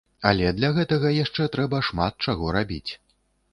Але для гэтага яшчэ трэба шмат чаго рабіць.